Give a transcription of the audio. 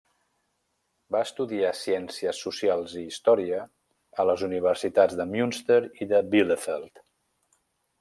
Va estudiar ciències socials i història a les universitats de Münster i de Bielefeld.